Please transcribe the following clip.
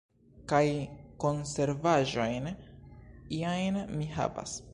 Kaj konservaĵojn iajn mi havas.